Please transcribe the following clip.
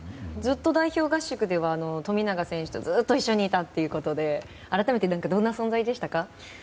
代表合宿では富永選手とずっと一緒にいたということで改めて、どんな存在でしたか？